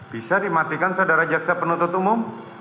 bisa dimatikan saudara jaksa penuntut umum